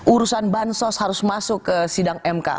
urusan bansos harus masuk ke sidang mk